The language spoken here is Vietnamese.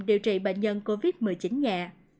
điều trị bệnh nhân covid một mươi chín nhẹ